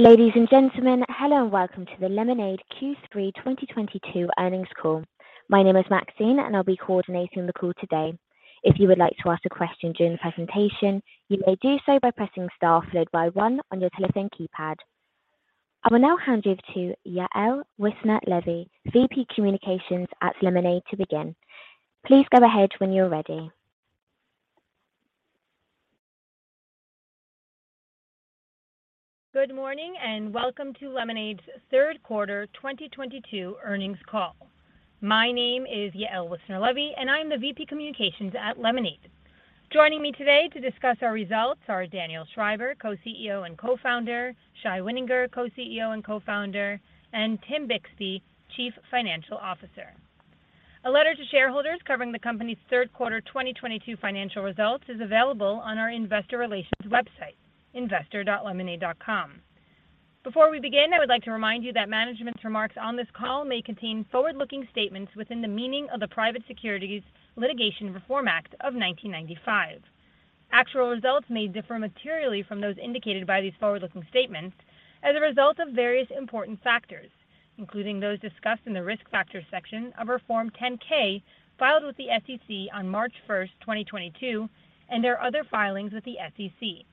Ladies and gentlemen, hello and welcome to the Lemonade Q3 2022 earnings call. My name is Maxine, and I'll be coordinating the call today. If you would like to ask a question during the presentation, you may do so by pressing star followed by one on your telephone keypad. I will now hand you over to Yael Wissner-Levy, VP Communications at Lemonade, to begin. Please go ahead when you're ready. Good morning, and welcome to Lemonade's third quarter 2022 earnings call. My name is Yael Wissner-Levy, and I am the VP Communications at Lemonade. Joining me today to discuss our results are Daniel Schreiber, Co-CEO and Co-Founder, Shai Wininger, Co-CEO and Co-Founder, and Tim Bixby, Chief Financial Officer. A letter to shareholders covering the company's third quarter 2022 financial results is available on our investor relations website, investor.lemonade.com. Before we begin, I would like to remind you that management's remarks on this call may contain forward-looking statements within the meaning of the Private Securities Litigation Reform Act of 1995. Actual results may differ materially from those indicated by these forward-looking statements as a result of various important factors, including those discussed in the Risk Factors section of our Form 10-K filed with the SEC on March 1, 2022, and our other filings with the SEC.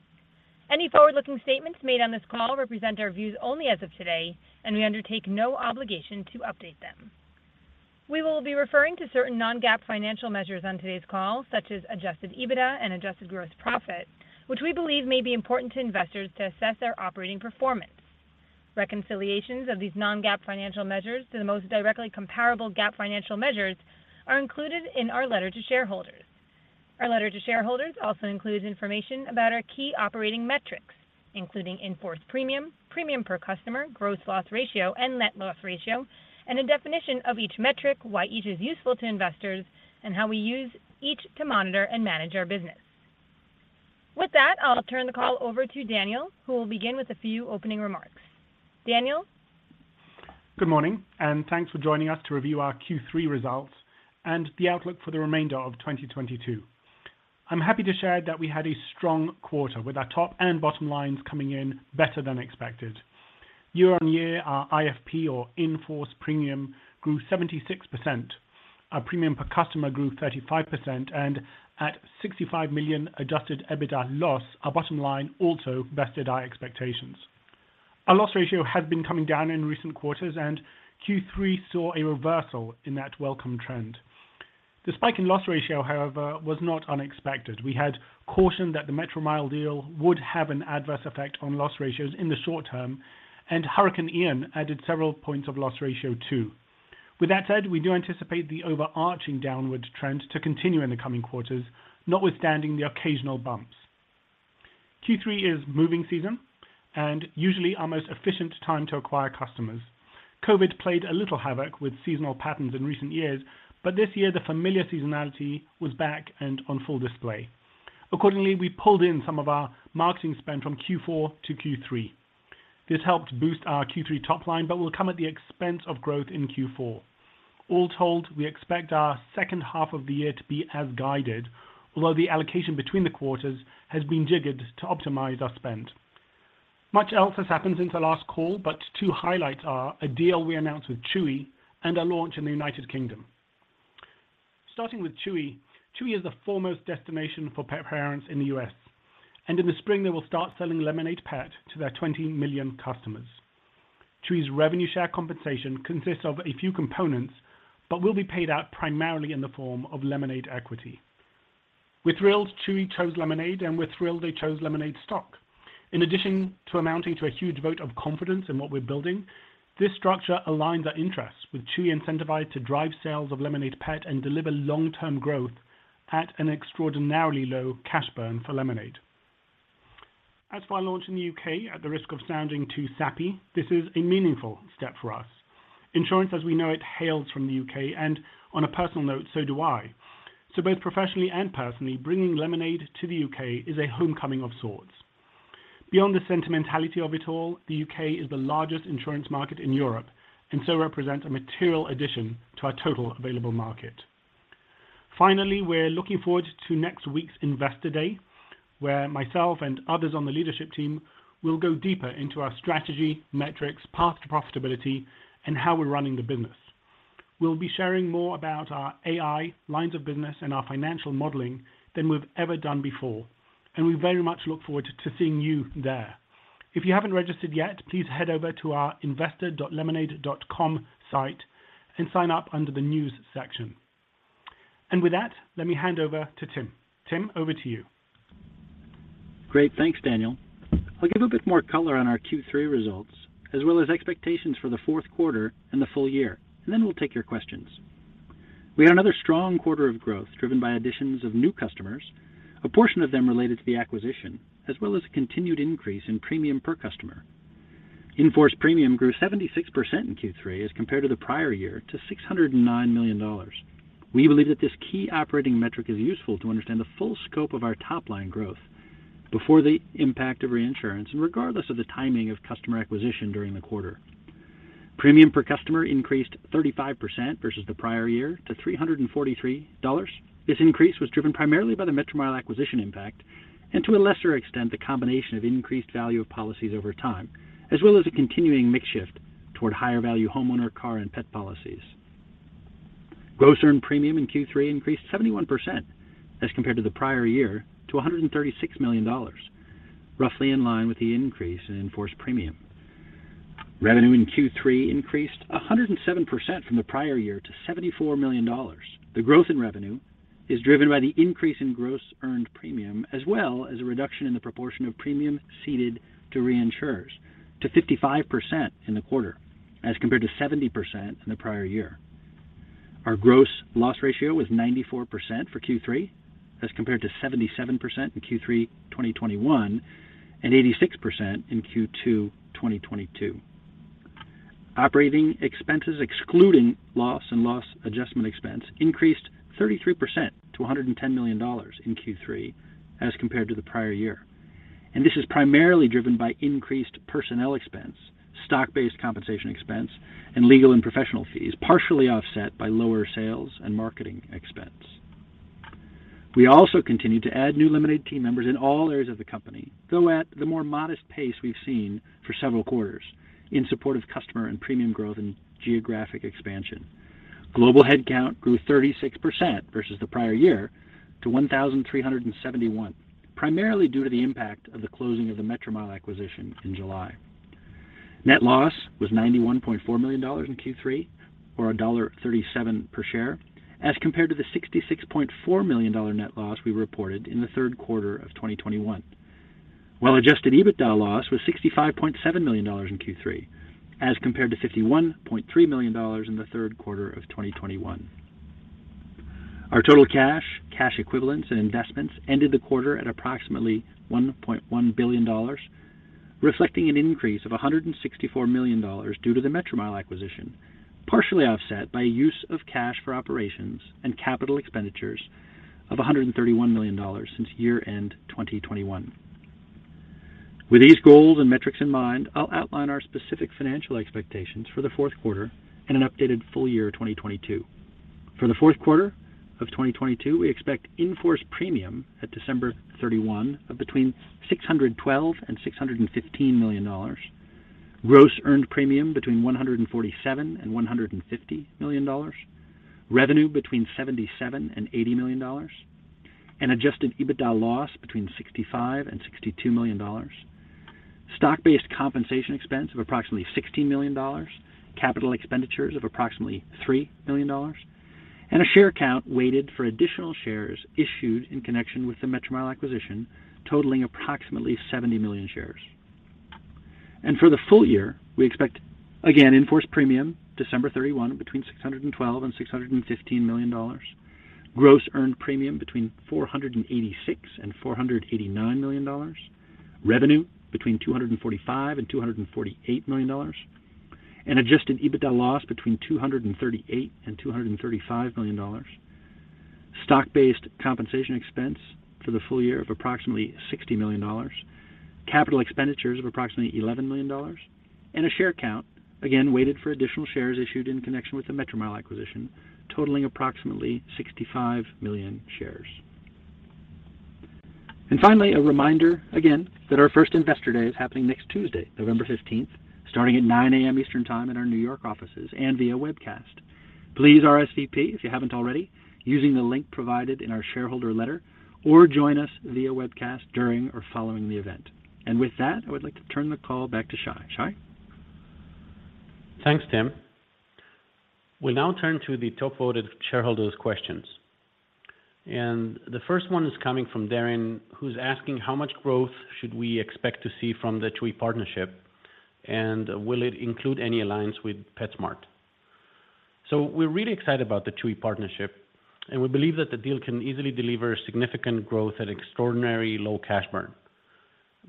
Any forward-looking statements made on this call represent our views only as of today, and we undertake no obligation to update them. We will be referring to certain non-GAAP financial measures on today's call, such as adjusted EBITDA and adjusted gross profit, which we believe may be important to investors to assess our operating performance. Reconciliations of these non-GAAP financial measures to the most directly comparable GAAP financial measures are included in our letter to shareholders. Our letter to shareholders also includes information about our key operating metrics, including in-force premium per customer, gross loss ratio, and net loss ratio, and a definition of each metric, why each is useful to investors, and how we use each to monitor and manage our business. With that, I'll turn the call over to Daniel, who will begin with a few opening remarks. Daniel? Good morning, and thanks for joining us to review our Q3 results and the outlook for the remainder of 2022. I'm happy to share that we had a strong quarter with our top and bottom lines coming in better than expected. Year-on-year, our IFP or in-force premium grew 76%. Our premium per customer grew 35%. At $65 million adjusted EBITDA loss, our bottom line also bested our expectations. Our loss ratio had been coming down in recent quarters, and Q3 saw a reversal in that welcome trend. The spike in loss ratio, however, was not unexpected. We had cautioned that the Metromile deal would have an adverse effect on loss ratios in the short term, and Hurricane Ian added several points of loss ratio too. With that said, we do anticipate the overarching downward trend to continue in the coming quarters, notwithstanding the occasional bumps. Q3 is moving season and usually our most efficient time to acquire customers. COVID played a little havoc with seasonal patterns in recent years, but this year the familiar seasonality was back and on full display. Accordingly, we pulled in some of our marketing spend from Q4 to Q3. This helped boost our Q3 top line but will come at the expense of growth in Q4. All told, we expect our second half of the year to be as guided, although the allocation between the quarters has been jiggered to optimize our spend. Much else has happened since our last call, but two highlights are a deal we announced with Chewy and our launch in the United Kingdom. Starting with Chewy. Chewy is the foremost destination for pet parents in the U.S., and in the spring they will start selling Lemonade Pet to their 20 million customers. Chewy's revenue share compensation consists of a few components but will be paid out primarily in the form of Lemonade equity. We're thrilled Chewy chose Lemonade, and we're thrilled they chose Lemonade stock. In addition to amounting to a huge vote of confidence in what we're building, this structure aligns our interests with Chewy incentivized to drive sales of Lemonade Pet and deliver long-term growth at an extraordinarily low cash burn for Lemonade. As for our launch in the U.K., at the risk of sounding too sappy, this is a meaningful step for us. Insurance, as we know it, hails from the U.K. and on a personal note, so do I. Both professionally and personally, bringing Lemonade to the U.K. is a homecoming of sorts. Beyond the sentimentality of it all, the U.K. is the largest insurance market in Europe and so represents a material addition to our total available market. Finally, we're looking forward to next week's Investor Day, where myself and others on the leadership team will go deeper into our strategy, metrics, path to profitability, and how we're running the business. We'll be sharing more about our AI, lines of business, and our financial modeling than we've ever done before, and we very much look forward to seeing you there. If you haven't registered yet, please head over to our investor.lemonade.com site and sign up under the News section. With that, let me hand over to Tim. Tim, over to you. Great. Thanks, Daniel. I'll give a bit more color on our Q3 results as well as expectations for the fourth quarter and the full year, and then we'll take your questions. We had another strong quarter of growth driven by additions of new customers, a portion of them related to the acquisition, as well as a continued increase in premium per customer. In-force premium grew 76% in Q3 as compared to the prior year to $609 million. We believe that this key operating metric is useful to understand the full scope of our top-line growth before the impact of reinsurance and regardless of the timing of customer acquisition during the quarter. Premium per customer increased 35% versus the prior year to $343. This increase was driven primarily by the Metromile acquisition impact and to a lesser extent, the combination of increased value of policies over time, as well as a continuing mix shift toward higher value homeowners car and pet policies. Gross earned premium in Q3 increased 71% as compared to the prior year to $136 million, roughly in line with the increase in in-force premium. Revenue in Q3 increased 107% from the prior year to $74 million. The growth in revenue is driven by the increase in gross earned premium, as well as a reduction in the proportion of premium ceded to reinsurers to 55% in the quarter as compared to 70% in the prior year. Our gross loss ratio was 94% for Q3 as compared to 77% in Q3 2021 and 86% in Q2 2022. Operating expenses, excluding loss and loss adjustment expense, increased 33% to $110 million in Q3 as compared to the prior year. This is primarily driven by increased personnel expense, stock-based compensation expense, and legal and professional fees, partially offset by lower sales and marketing expense. We also continued to add new Lemonade team members in all areas of the company, though at the more modest pace we've seen for several quarters in support of customer and premium growth and geographic expansion. Global headcount grew 36% versus the prior year to 1,371, primarily due to the impact of the closing of the Metromile acquisition in July. Net loss was $91.4 million in Q3, or $1.37 per share, as compared to the $66.4 million net loss we reported in the third quarter of 2021. While adjusted EBITDA loss was $65.7 million in Q3 as compared to $51.3 million in the third quarter of 2021. Our total cash equivalents, and investments ended the quarter at approximately $1.1 billion, reflecting an increase of $164 million due to the Metromile acquisition, partially offset by use of cash for operations and capital expenditures of $131 million since year-end 2021. With these goals and metrics in mind, I'll outline our specific financial expectations for the fourth quarter and an updated full year 2022. For the fourth quarter of 2022, we expect in-force premium at December 31 of between $612 million and $615 million. Gross earned premium between $147 million and $150 million. Revenue between $77 million and $80 million. An adjusted EBITDA loss between $65 million and $62 million. Stock-based compensation expense of approximately $60 million. Capital expenditures of approximately $3 million. A share count weighted for additional shares issued in connection with the Metromile acquisition, totaling approximately 70 million shares. For the full year, we expect, again, in-force premium December 31 between $612 million and $615 million. Gross earned premium between $486 million and $489 million. Revenue between $245 million and $248 million. An adjusted EBITDA loss between $238 million and $235 million. Stock-based compensation expense for the full year of approximately $60 million. Capital expenditures of approximately $11 million. A share count, again, weighted for additional shares issued in connection with the Metromile acquisition, totaling approximately 65 million shares. Finally, a reminder again that our first Investor Day is happening next Tuesday, November 15th, starting at 9:00 A.M. Eastern Time in our New York offices and via webcast. Please RSVP if you haven't already using the link provided in our shareholder letter, or join us via webcast during or following the event. With that, I would like to turn the call back to Shai. Shai? Thanks, Tim. We'll now turn to the top-voted shareholders questions. The first one is coming from Darren, who's asking, how much growth should we expect to see from the Chewy partnership, and will it include any alliance with PetSmart? We're really excited about the Chewy partnership, and we believe that the deal can easily deliver significant growth at extraordinary low cash burn.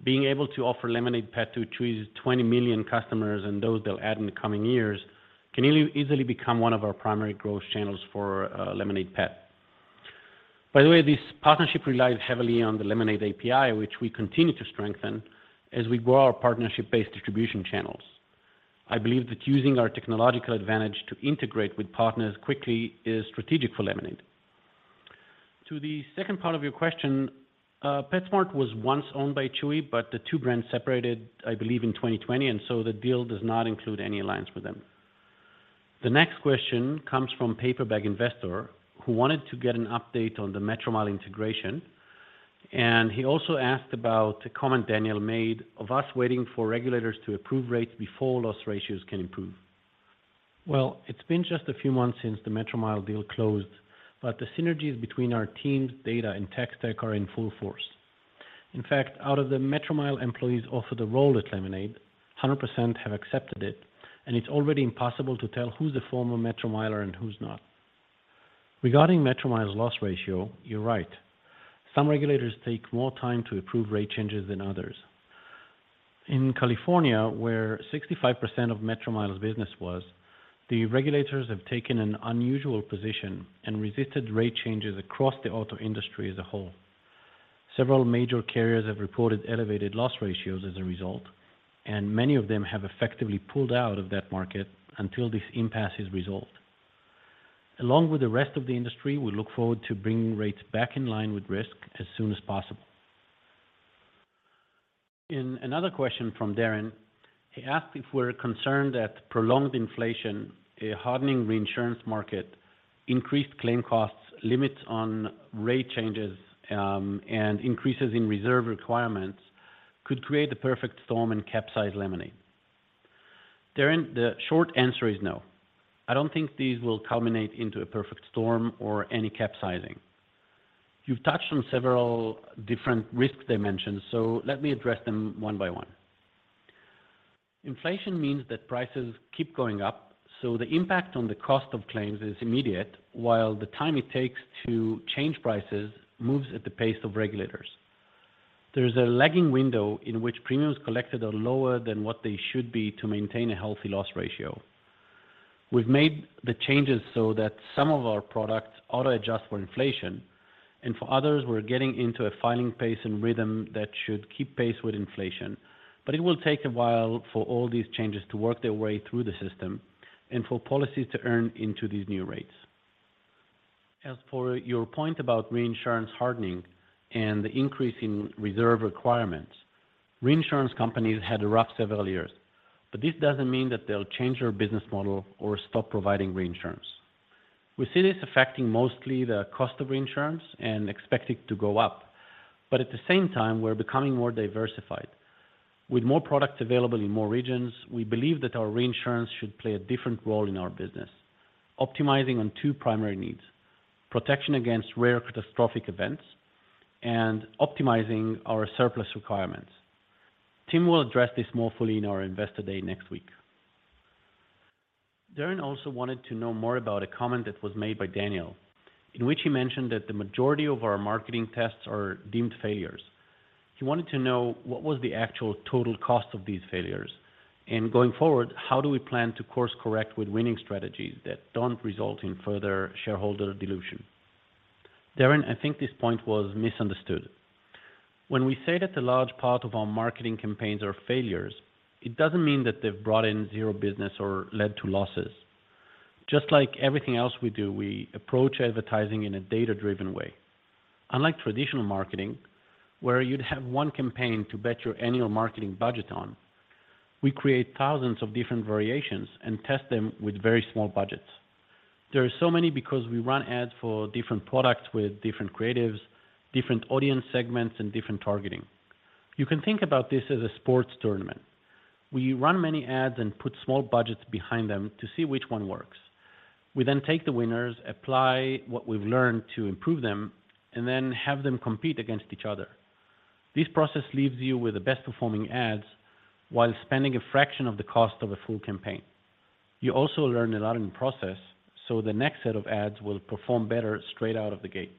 Being able to offer Lemonade Pet to Chewy's 20 million customers and those they'll add in the coming years can easily become one of our primary growth channels for Lemonade Pet. By the way, this partnership relies heavily on the Lemonade API, which we continue to strengthen as we grow our partnership-based distribution channels. I believe that using our technological advantage to integrate with partners quickly is strategic for Lemonade. To the second part of your question, PetSmart was once owned by Chewy, but the two brands separated, I believe, in 2020, and so the deal does not include any alliance with them. The next question comes from Yaron Kinar, who wanted to get an update on the Metromile integration. He also asked about a comment Daniel made of us waiting for regulators to approve rates before loss ratios can improve. Well, it's been just a few months since the Metromile deal closed, but the synergies between our teams, data, and tech stack are in full force. In fact, out of the Metromile employees offered a role at Lemonade, 100% have accepted it, and it's already impossible to tell who's a former Metromiler and who's not. Regarding Metromile's loss ratio, you're right. Some regulators take more time to approve rate changes than others. In California, where 65% of Metromile's business was, the regulators have taken an unusual position and resisted rate changes across the auto industry as a whole. Several major carriers have reported elevated loss ratios as a result, and many of them have effectively pulled out of that market until this impasse is resolved. Along with the rest of the industry, we look forward to bringing rates back in line with risk as soon as possible. In another question from Darren, he asked if we're concerned that prolonged inflation, a hardening reinsurance market, increased claim costs, limits on rate changes, and increases in reserve requirements could create the perfect storm and capsize Lemonade. Darren, the short answer is no. I don't think these will culminate into a perfect storm or any capsizing. You've touched on several different risk dimensions, so let me address them one by one. Inflation means that prices keep going up, so the impact on the cost of claims is immediate, while the time it takes to change prices moves at the pace of regulators. There is a lagging window in which premiums collected are lower than what they should be to maintain a healthy loss ratio. We've made the changes so that some of our products auto-adjust for inflation, and for others, we're getting into a filing pace and rhythm that should keep pace with inflation. It will take a while for all these changes to work their way through the system and for policies to earn into these new rates. As for your point about reinsurance hardening and the increase in reserve requirements, reinsurance companies had a rough several years, but this doesn't mean that they'll change their business model or stop providing reinsurance. We see this affecting mostly the cost of reinsurance and expect it to go up. At the same time, we're becoming more diversified. With more products available in more regions, we believe that our reinsurance should play a different role in our business, optimizing on two primary needs, protection against rare catastrophic events and optimizing our surplus requirements. Tim will address this more fully in our Investor Day next week. Darren also wanted to know more about a comment that was made by Daniel, in which he mentioned that the majority of our marketing tests are deemed failures. He wanted to know what was the actual total cost of these failures and, going forward, how do we plan to course correct with winning strategies that don't result in further shareholder dilution. Darren, I think this point was misunderstood. When we say that a large part of our marketing campaigns are failures, it doesn't mean that they've brought in zero business or led to losses. Just like everything else we do, we approach advertising in a data-driven way. Unlike traditional marketing, where you'd have one campaign to bet your annual marketing budget on, we create thousands of different variations and test them with very small budgets. There are so many because we run ads for different products with different creatives, different audience segments, and different targeting. You can think about this as a sports tournament. We run many ads and put small budgets behind them to see which one works. We then take the winners, apply what we've learned to improve them, and then have them compete against each other. This process leaves you with the best performing ads while spending a fraction of the cost of a full campaign. You also learn a lot in process, so the next set of ads will perform better straight out of the gate.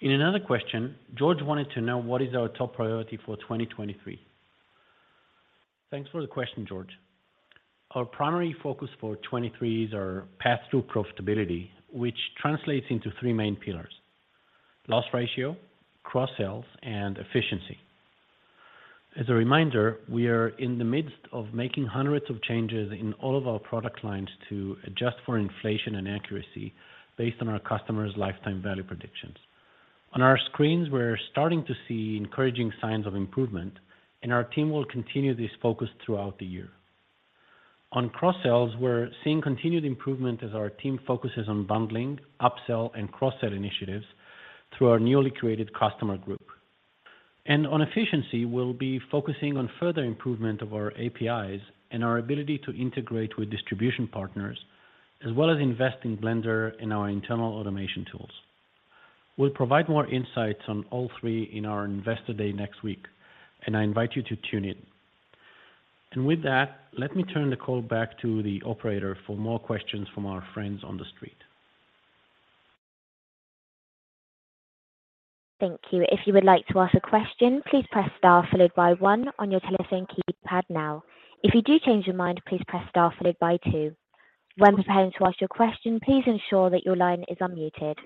In another question, George wanted to know what is our top priority for 2023. Thanks for the question, George. Our primary focus for 2023 is our path to profitability, which translates into three main pillars, loss ratio, cross-sells, and efficiency. As a reminder, we are in the midst of making hundreds of changes in all of our product lines to adjust for inflation and accuracy based on our customers' lifetime value predictions. On our screens, we're starting to see encouraging signs of improvement, and our team will continue this focus throughout the year. On cross-sells, we're seeing continued improvement as our team focuses on bundling, upsell, and cross-sell initiatives through our newly created customer group. On efficiency, we'll be focusing on further improvement of our APIs and our ability to integrate with distribution partners, as well as invest in Blender and our internal automation tools. We'll provide more insights on all three in our Investor Day next week, and I invite you to tune in. With that, let me turn the call back to the operator for more questions from our friends on the street. Thank you. If you would like to ask a question, please press star followed by one on your telephone keypad now. If you do change your mind, please press star followed by two. When preparing to ask your question, please ensure that your line is unmuted.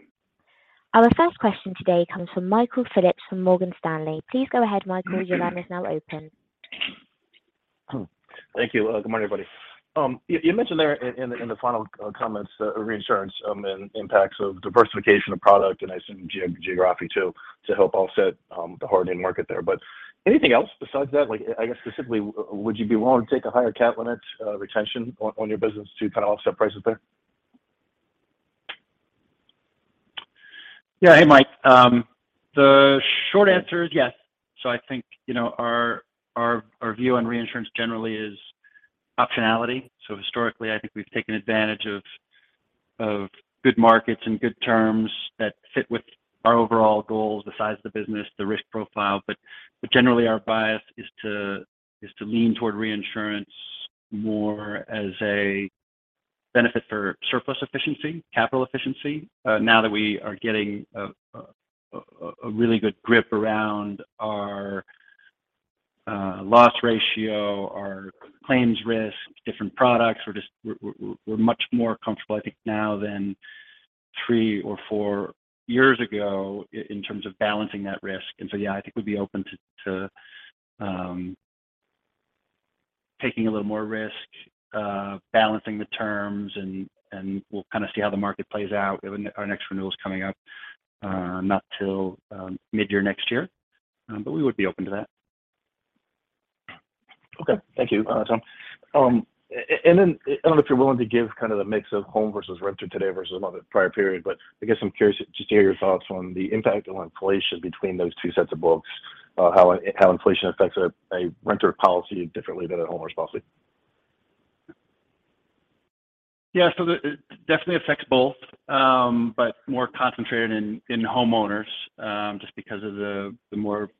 Our first question today comes from Michael Phillips from Morgan Stanley. Please go ahead, Michael. Your line is now open. Thank you. Good morning, everybody. You mentioned there in the final comments, reinsurance and impacts of diversification of product and I assume geography too, to help offset the hardening market there. Anything else besides that? Like, I guess specifically, would you be willing to take a higher cat limit retention on your business to kind of offset prices there? Yeah. Hey, Mike. The short answer is yes. I think, you know, our view on reinsurance generally is optionality. Historically, I think we've taken advantage of good markets and good terms that fit with our overall goals, the size of the business, the risk profile. But generally, our bias is to lean toward reinsurance more as a benefit for surplus efficiency, capital efficiency, now that we are getting a really good grip around our loss ratio, our claims risk, different products. We're much more comfortable, I think, now than three or four years ago in terms of balancing that risk. Yeah, I think we'd be open to taking a little more risk, balancing the terms, and we'll kind of see how the market plays out. Our next renewal's coming up, not till mid-year next year. We would be open to that. Okay. Thank you, Tim Bixby. I don't know if you're willing to give kind of the mix of homeowners versus renters today versus another prior period, but I guess I'm curious just to hear your thoughts on the impact on inflation between those two sets of books, how inflation affects a renters policy differently than a homeowners policy. Yeah. It definitely affects both, but more concentrated in homeowners, just because of the more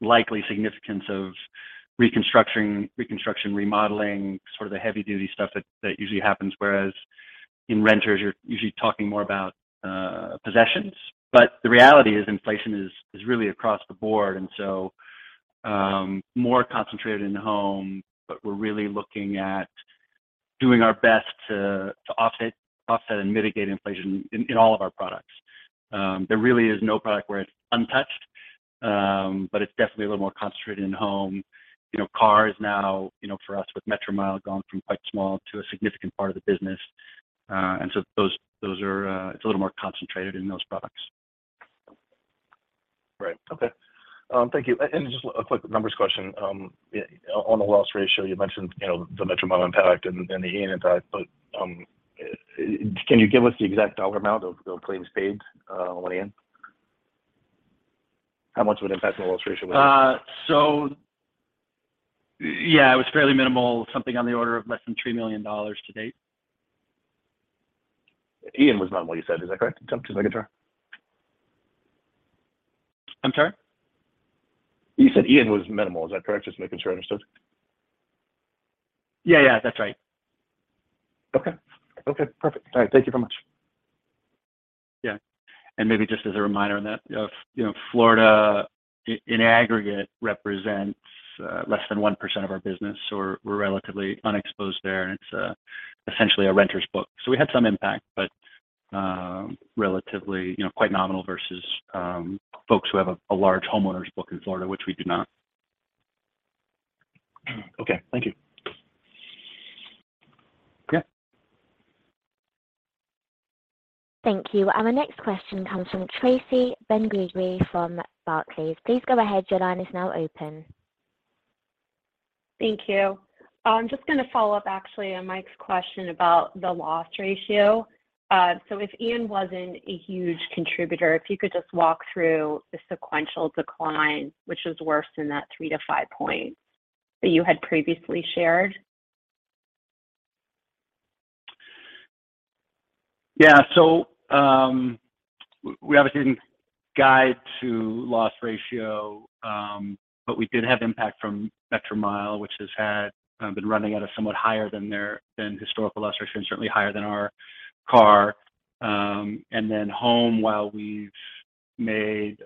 likely significance of reconstruction, remodeling, sort of the heavy duty stuff that usually happens. Whereas in renters, you're usually talking more about possessions. The reality is inflation is really across the board. More concentrated in home, but we're really looking at doing our best to offset and mitigate inflation in all of our products. There really is no product where it's untouched, but it's definitely a little more concentrated in home. You know, car is now, you know, for us with Metromile going from quite small to a significant part of the business. Those are, it's a little more concentrated in those products. Right. Okay. Thank you. Just a quick numbers question. On the loss ratio, you mentioned, you know, the Metromile impact and the Ian impact, but can you give us the exact dollar amount of the claims paid on Ian? How much of an impact on the loss ratio was it? Yeah, it was fairly minimal. Something on the order of less than $3 million to date. Ian was not what you said, is that correct? Just making sure. I'm sorry? You said Ian was minimal. Is that correct? Just making sure I understood. Yeah. Yeah. That's right. Okay. Okay, perfect. All right. Thank you very much. Yeah. Maybe just as a reminder on that, you know, Florida in aggregate represents less than 1% of our business, so we're relatively unexposed there, and it's essentially a renters book. We had some impact, but relatively, you know, quite nominal versus folks who have a large homeowners book in Florida, which we do not. Okay. Thank you. Yeah. Thank you. Our next question comes from Tracy Benguigui from Barclays. Please go ahead. Your line is now open. Thank you. I'm just gonna follow up actually on Mike's question about the loss ratio. If Ian wasn't a huge contributor, if you could just walk through the sequential decline, which is worse in that 3-5 point that you had previously shared. Yeah. We obviously didn't guide to loss ratio, but we did have impact from Metromile, which has been running at a somewhat higher than their historical illustrations, certainly higher than our car. Then home, while we've made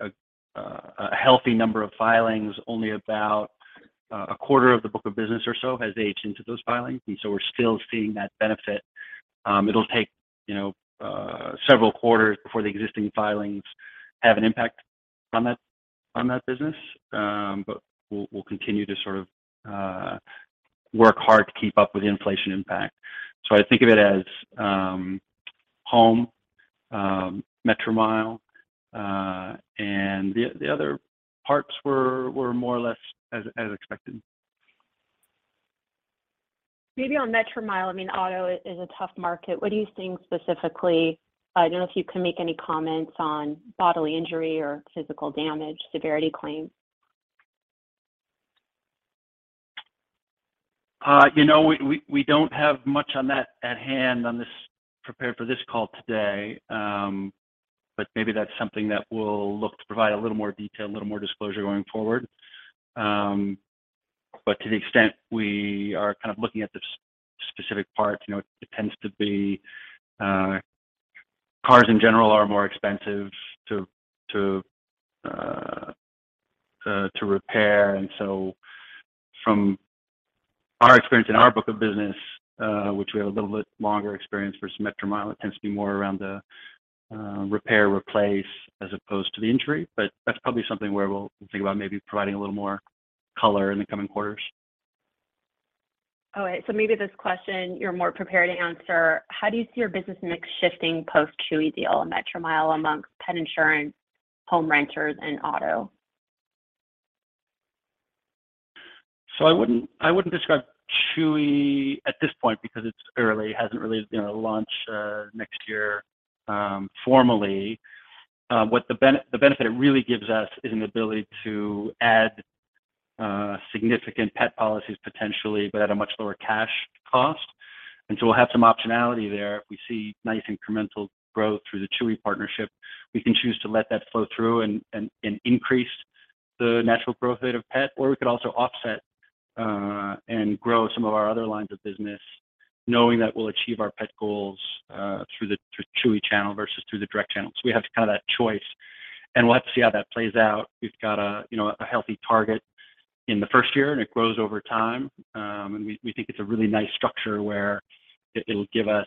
a healthy number of filings, only about a quarter of the book of business or so has aged into those filings. We're still seeing that benefit. It'll take you know several quarters before the existing filings have an impact on that business. But we'll continue to sort of work hard to keep up with the inflation impact. I think of it as home, Metromile, and the other parts were more or less as expected. Maybe on Metromile, I mean, auto is a tough market. What are you seeing specifically? I don't know if you can make any comments on bodily injury or physical damage severity claims. You know, we don't have much on that at hand on this prepared for this call today, but maybe that's something that we'll look to provide a little more detail, a little more disclosure going forward. To the extent we are kind of looking at the specific parts, you know, it tends to be cars in general are more expensive to repair. From our experience in our book of business, which we have a little bit longer experience versus Metromile, it tends to be more around the repair, replace as opposed to the injury. That's probably something where we'll think about maybe providing a little more color in the coming quarters. All right. Maybe this question you're more prepared to answer. How do you see your business mix shifting post-Chewy deal and Metromile among pet insurance, home, renters and auto? I wouldn't describe Chewy at this point because it's early, hasn't really, you know, launched next year formally. What the benefit it really gives us is an ability to add significant pet policies potentially, but at a much lower cash cost. We'll have some optionality there. If we see nice incremental growth through the Chewy partnership, we can choose to let that flow through and increase the natural growth rate of pet, or we could also offset and grow some of our other lines of business knowing that we'll achieve our pet goals through the Chewy channel versus through the direct channel. We have kind of that choice, and we'll have to see how that plays out. We've got a, you know, a healthy target in the first year, and it grows over time. We think it's a really nice structure where it'll give us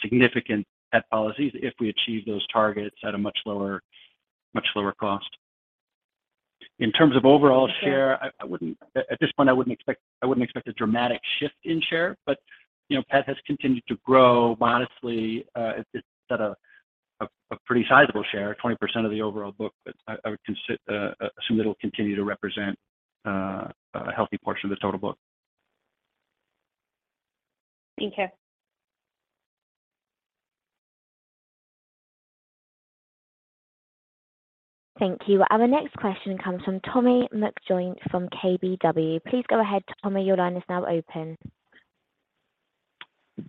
significant pet policies if we achieve those targets at a much lower cost. In terms of overall share, at this point I wouldn't expect a dramatic shift in share. You know, pet has continued to grow modestly. It's set a pretty sizable share, 20% of the overall book. I would assume it'll continue to represent a healthy portion of this total book. Thank you. Thank you. Our next question comes from Tommy McJoynt from KBW. Please go ahead, Tommy. Your line is now open.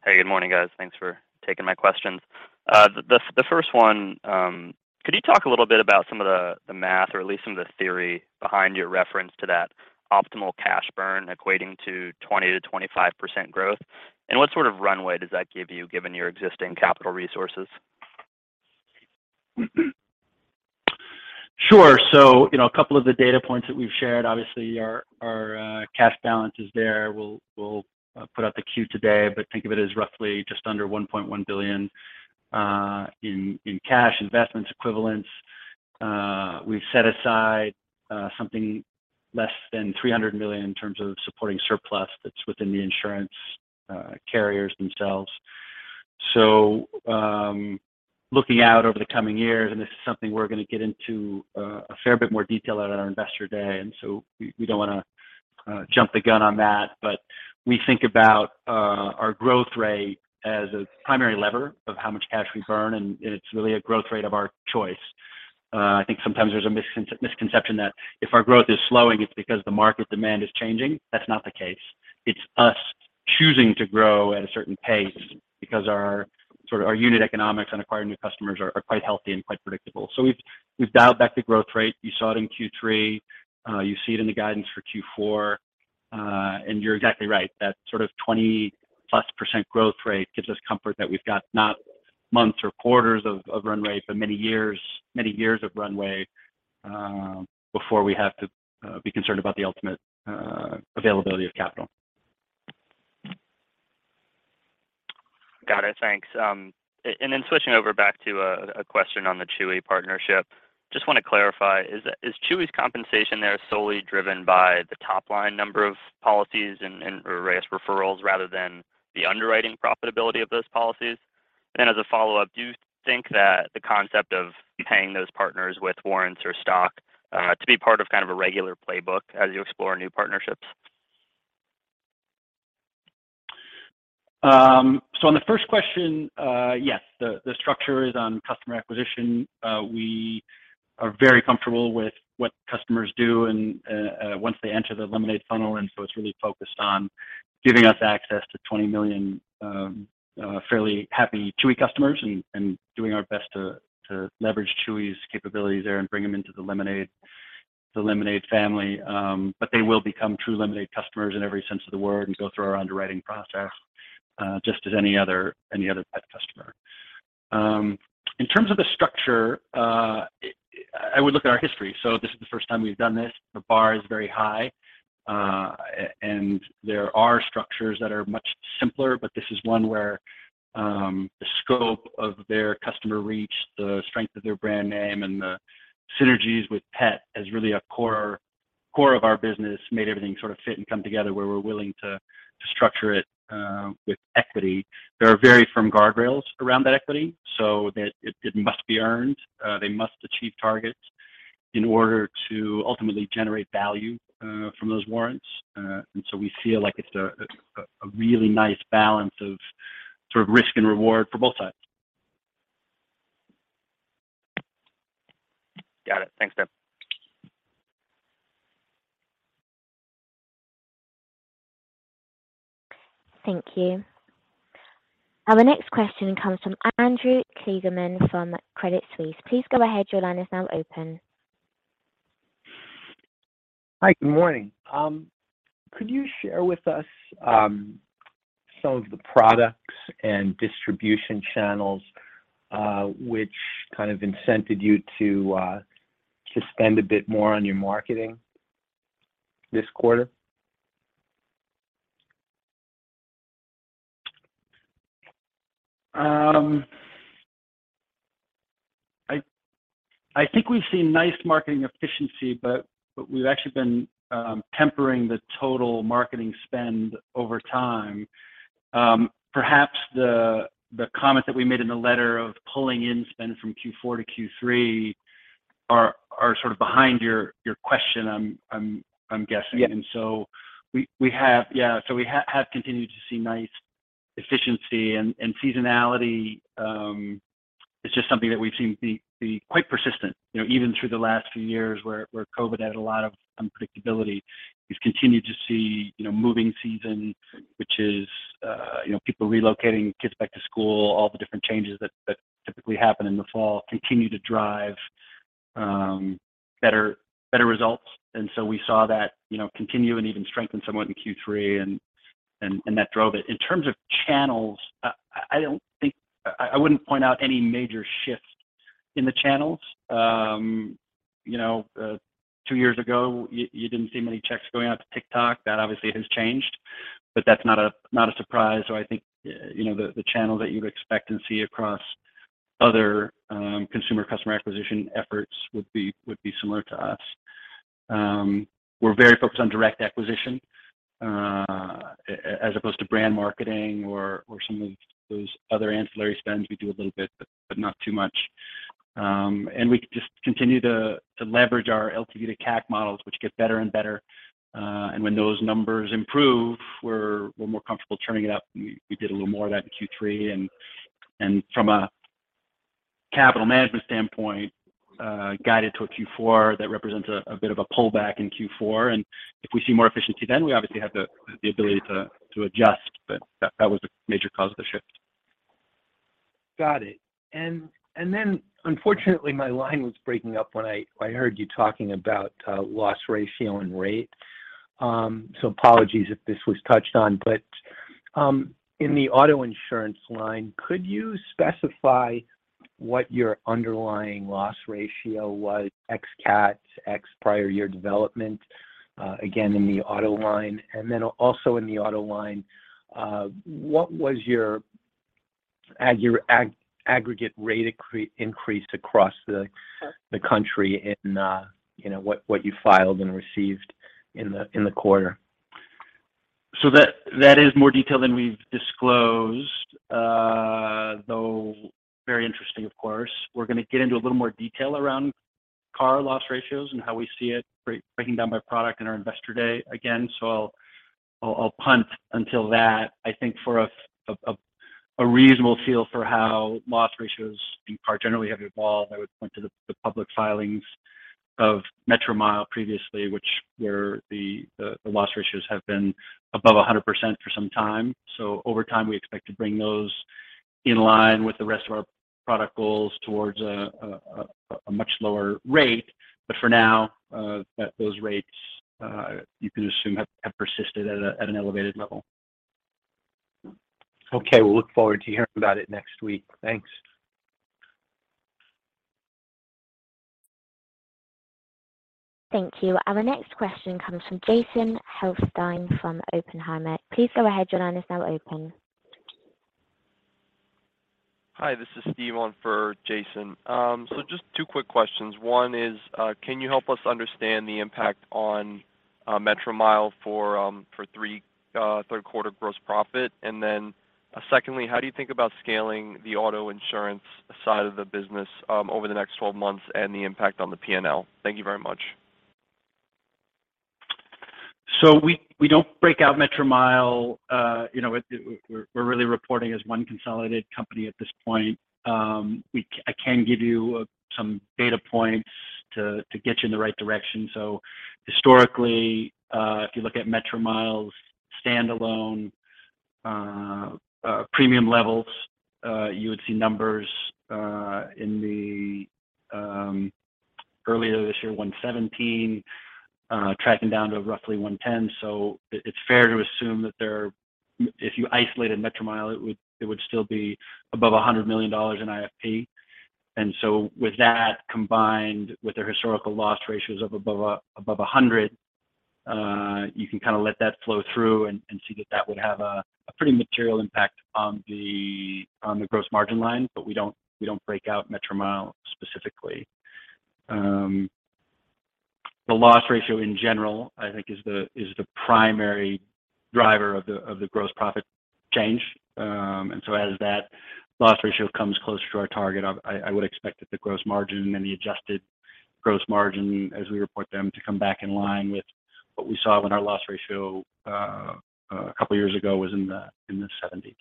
Hey, good morning, guys. Thanks for taking my questions. The first one, could you talk a little bit about some of the math or at least some of the theory behind your reference to that optimal cash burn equating to 20%-25% growth? What sort of runway does that give you given your existing capital resources? Sure. You know, a couple of the data points that we've shared, obviously our cash balance is there. We'll put out the Q today, but think of it as roughly just under $1.1 billion in cash equivalents. We've set aside something less than $300 million in terms of supporting surplus that's within the insurance carriers themselves. Looking out over the coming years, and this is something we're gonna get into a fair bit more detail at our Investor Day, we don't wanna jump the gun on that. We think about our growth rate as a primary lever of how much cash we burn, and it's really a growth rate of our choice. I think sometimes there's a misconception that if our growth is slowing, it's because the market demand is changing. That's not the case. It's us choosing to grow at a certain pace because our, sort of our unit economics on acquiring new customers are quite healthy and quite predictable. We've dialed back the growth rate. You saw it in Q3. You see it in the guidance for Q4. You're exactly right. That sort of 20%+ growth rate gives us comfort that we've got not months or quarters of runway, but many years of runway before we have to be concerned about the ultimate availability of capital. Got it. Thanks. Switching over back to a question on the Chewy partnership. Just wanna clarify, is Chewy's compensation there solely driven by the top-line number of policies or referrals rather than the underwriting profitability of those policies? As a follow-up, do you think that the concept of paying those partners with warrants or stock to be part of kind of a regular playbook as you explore new partnerships? On the first question, yes. The structure is on customer acquisition. We are very comfortable with what customers do and once they enter the Lemonade funnel. It's really focused on giving us access to 20 million fairly happy Chewy customers and doing our best to leverage Chewy's capabilities there and bring them into the Lemonade family. They will become true Lemonade customers in every sense of the word and go through our underwriting process just as any other pet customer. In terms of the structure, I would look at our history. This is the first time we've done this. The bar is very high, and there are structures that are much simpler, but this is one where the scope of their customer reach, the strength of their brand name, and the synergies with Pet as really a core of our business made everything sort of fit and come together where we're willing to structure it with equity. There are very firm guardrails around that equity so that it must be earned. They must achieve targets in order to ultimately generate value from those warrants. We feel like it's a really nice balance of sort of risk and reward for both sides. Got it. Thanks, Tim. Thank you. Our next question comes from Andrew Kligerman from Credit Suisse. Please go ahead. Your line is now open. Hi. Good morning. Could you share with us some of the products and distribution channels which kind of incented you to spend a bit more on your marketing this quarter? I think we've seen nice marketing efficiency, but we've actually been tempering the total marketing spend over time. Perhaps the comment that we made in the letter of pulling in spend from Q4 to Q3 are sort of behind your question, I'm guessing. Yeah. We have continued to see nice efficiency. Seasonality is just something that we've seen be quite persistent, you know, even through the last few years where COVID had a lot of unpredictability. We've continued to see, you know, moving season, which is, you know, people relocating kids back to school, all the different changes that typically happen in the fall continue to drive better results. We saw that, you know, continue and even strengthen somewhat in Q3, and that drove it. In terms of channels, I don't think. I wouldn't point out any major shift in the channels. You know, two years ago, you didn't see many checks going out to TikTok. That obviously has changed, but that's not a surprise. I think, you know, the channel that you'd expect and see across other consumer acquisition efforts would be similar to us. We're very focused on direct acquisition, as opposed to brand marketing or some of those other ancillary spends. We do a little bit, but not too much. We just continue to leverage our LTV to CAC models, which get better and better. When those numbers improve, we're more comfortable turning it up. We did a little more of that in Q3. From a capital management standpoint, guided to a Q4 that represents a bit of a pullback in Q4. If we see more efficiency, then we obviously have the ability to adjust. That was a major cause of the shift. Got it. Then unfortunately, my line was breaking up when I heard you talking about loss ratio and rate. Apologies if this was touched on. In the auto insurance line, could you specify what your underlying loss ratio was, ex CAT, ex prior year development, again, in the auto line? Also in the auto line, what was your aggregate rate increase across the country in you know what you filed and received in the quarter? That is more detail than we've disclosed, though very interesting, of course. We're gonna get into a little more detail around car loss ratios and how we see it breaking down by product in our Investor Day again. I'll punt until that. I think for a reasonable feel for how loss ratios in car generally have evolved, I would point to the public filings of Metromile previously, where the loss ratios have been above 100% for some time. Over time, we expect to bring those in line with the rest of our product goals towards a much lower rate. For now, those rates you can assume have persisted at an elevated level. Okay. We'll look forward to hearing about it next week. Thanks. Thank you. Our next question comes from Jason Helfstein from Oppenheimer. Please go ahead. Your line is now open. Hi, this is Steve on for Jason. Just two quick questions. One is, can you help us understand the impact on Metromile for third quarter gross profit? Secondly, how do you think about scaling the auto insurance side of the business, over the next 12 months and the impact on the P&L? Thank you very much. We don't break out Metromile. You know, it. We're really reporting as one consolidated company at this point. We can give you some data points to get you in the right direction. Historically, if you look at Metromile's standalone premium levels, you would see numbers in the earlier this year, $117 million tracking down to roughly $110 million. It's fair to assume that there. If you isolated Metromile, it would still be above $100 million in IFP. With that, combined with their historical loss ratios of above 100%, you can kind of let that flow through and see that that would have a pretty material impact on the gross margin line. We don't break out Metromile specifically. The loss ratio in general, I think is the primary driver of the gross profit change. As that loss ratio comes closer to our target, I would expect that the gross margin and the adjusted gross margin as we report them to come back in line with what we saw when our loss ratio a couple of years ago was in the 70s.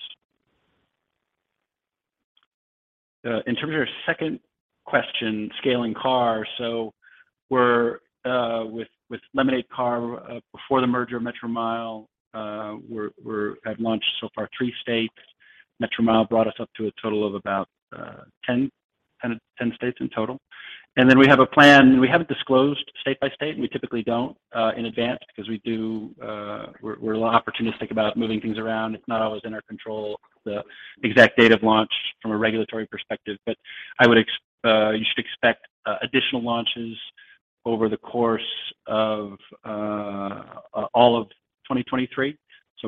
In terms of your second question, scaling car. We're with Lemonade Car, before the merger of Metromile, we have launched so far three states. Metromile brought us up to a total of about 10 states in total. We have a plan. We haven't disclosed state by state, and we typically don't in advance because we're a little opportunistic about moving things around. It's not always in our control, the exact date of launch from a regulatory perspective. I would expect you should expect additional launches over the course of all of 2023.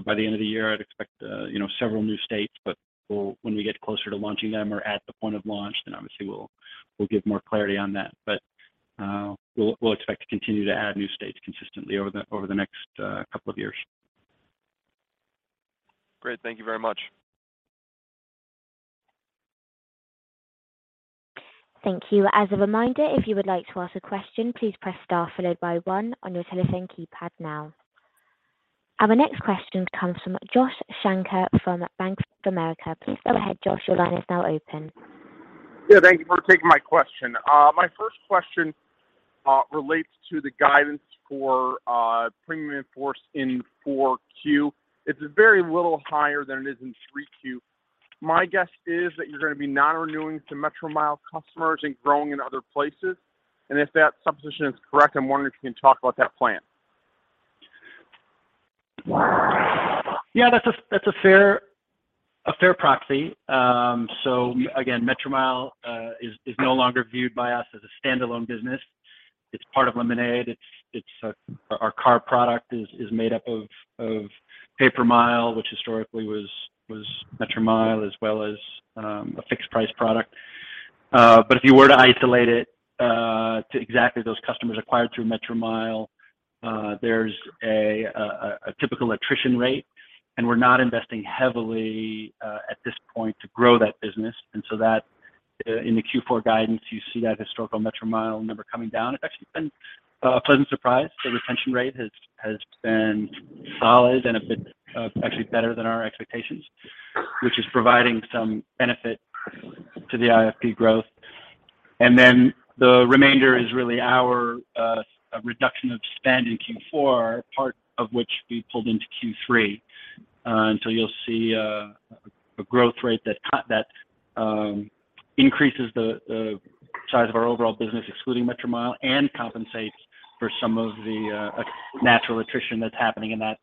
By the end of the year, I'd expect you know several new states, but when we get closer to launching them or at the point of launch, then obviously we'll give more clarity on that. We'll expect to continue to add new states consistently over the next couple of years. Great. Thank you very much. Thank you. As a reminder, if you would like to ask a question, please press star followed by one on your telephone keypad now. Our next question comes from Josh Shanker from Bank of America. Please go ahead, Josh. Your line is now open. Yeah, thank you for taking my question. My first question relates to the guidance for in-force premium in Q4. It's very little higher than it is in Q3. My guess is that you're gonna be non-renewing some Metromile customers and growing in other places. If that supposition is correct, I'm wondering if you can talk about that plan. Yeah, that's a fair proxy. So again, Metromile is no longer viewed by us as a standalone business. It's part of Lemonade. It's our car product is made up of pay-per-mile, which historically was Metromile as well as a fixed price product. But if you were to isolate it to exactly those customers acquired through Metromile, there's a typical attrition rate, and we're not investing heavily at this point to grow that business. In the Q4 guidance, you see that historical Metromile number coming down. It's actually been a pleasant surprise. The retention rate has been solid and a bit actually better than our expectations, which is providing some benefit to the IFP growth. The remainder is really our reduction of spend in Q4, part of which we pulled into Q3. You'll see a growth rate that increases the size of our overall business, excluding Metromile, and compensates for some of the natural attrition that's happening in that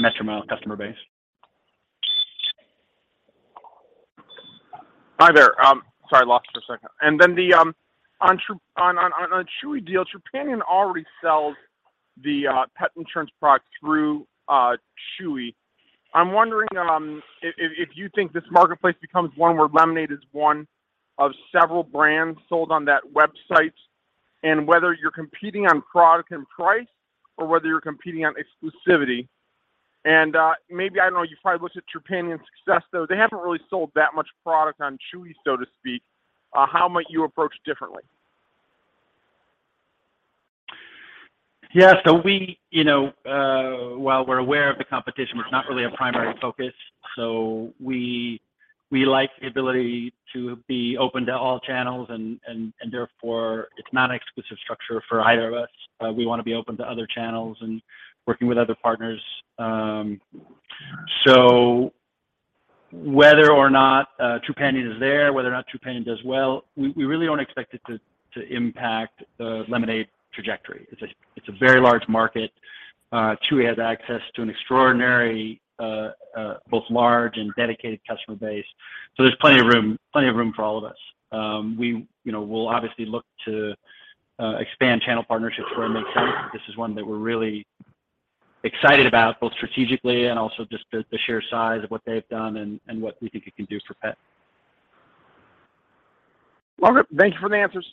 Metromile customer base. Hi there. Sorry, lost you for a second. Then on the Chewy deal, Trupanion already sells the pet insurance product through Chewy. I'm wondering if you think this marketplace becomes one where Lemonade is one of several brands sold on that website, and whether you're competing on product and price or whether you're competing on exclusivity. Maybe, I don't know, you probably looked at Trupanion's success, though. They haven't really sold that much product on Chewy, so to speak. How might you approach differently? Yeah. We, you know, while we're aware of the competition, it's not really a primary focus. We like the ability to be open to all channels and therefore it's not an exclusive structure for either of us. We wanna be open to other channels and working with other partners. Whether or not Trupanion is there, whether or not Trupanion does well, we really don't expect it to impact the Lemonade trajectory. It's a very large market. Chewy has access to an extraordinary both large and dedicated customer base. There's plenty of room for all of us. We, you know, we'll obviously look to expand channel partnerships where it makes sense. This is one that we're really excited about, both strategically and also just the sheer size of what they've done and what we think it can do for pet. Well, good. Thank you for the answers.